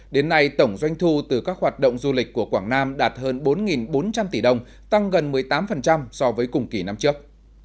đến nay tổng doanh thu từ các hoạt động du lịch của quảng nam đạt hơn bốn bốn trăm linh tỷ đồng tăng gần một mươi tám so với cùng kỳ năm trước